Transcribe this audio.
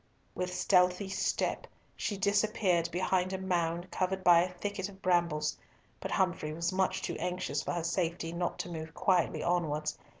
With stealthy stop she disappeared behind a mound covered by a thicket of brambles, but Humfrey was much too anxious for her safety not to move quietly onwards.